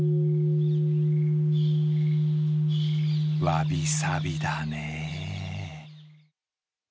わびさびだね。